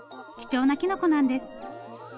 貴重なきのこなんです。